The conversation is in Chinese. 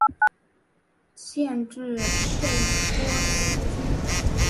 县治佩托斯基。